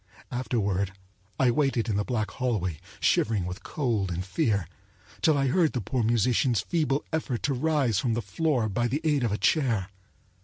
Afterward I waited in the black hallway, shivering with cold and fear, till I heard the poor musician's feeble effort to rise from the floor by the aid of a chair.